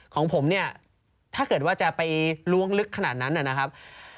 ของผมเนี่ยถ้าเกิดว่าจะไปล้วงลึกขนาดนั้นนะครับ